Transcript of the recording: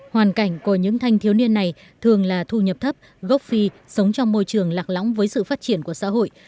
hoàn cảnh của những thanh thiếu niên này thường là thu nhập thấp gốc phi sống trong môi trường lạc lõng với sự phát triển của xã hội